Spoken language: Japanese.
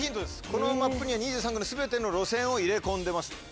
このマップには２３区の全ての路線を入れ込んでます。